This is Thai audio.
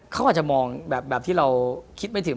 เขาอาจจะมองแบบที่เราคิดไม่ถึง